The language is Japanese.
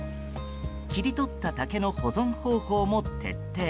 切り取った竹の保存方法も徹底。